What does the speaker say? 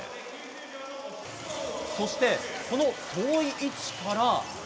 そして、この遠い位置から。